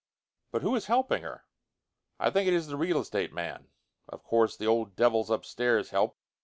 "But who is helping her?" "I think it is the real estate man. Of course, the old devils upstairs help.